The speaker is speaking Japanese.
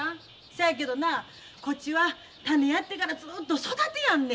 せやけどなこっちは種やってからずっと育てやんねん。